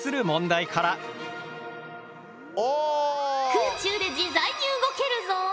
空中で自在に動けるぞ。